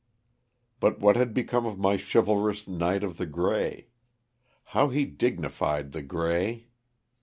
But what had become of my chivalrous knight of the gray? How he dignified *' the gray."